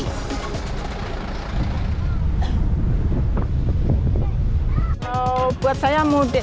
halo buat saya mudik